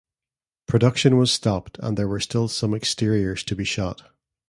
Production was stopped and there were still some exteriors to be shot.